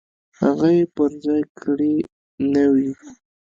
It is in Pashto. هغه یې پر ځای کړې نه وي.